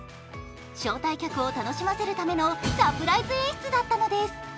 招待客を楽しませるためのサプライズ演出だったのです。